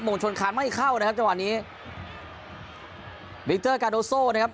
งชนคานไม่เข้านะครับจังหวะนี้บิ๊กเตอร์กาโดโซ่นะครับ